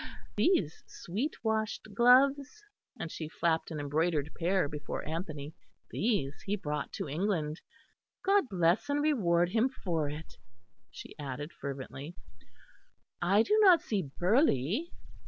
These sweet washed gloves" and she flapped an embroidered pair before Anthony "these he brought to England. God bless and reward him for it!" she added fervently.... "I do not see Burghley.